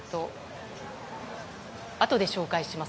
あとで紹介します。